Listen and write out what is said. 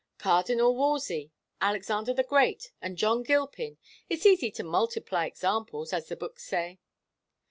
"Cardinal Wolsey, Alexander the Great, and John Gilpin. It's easy to multiply examples, as the books say."